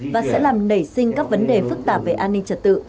và sẽ làm nảy sinh các vấn đề phức tạp về an ninh trật tự